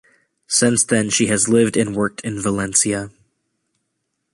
Since then she has lived and worked in Valencia.